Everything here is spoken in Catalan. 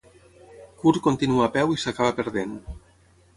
Curt continua a peu i s'acaba perdent.